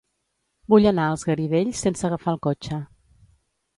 Vull anar als Garidells sense agafar el cotxe.